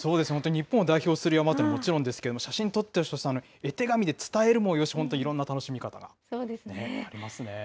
日本を山というのはもちろんですけれども、写真撮ってよし、絵手紙で伝えるもよし、本当にいろんな楽しみ方がありますね。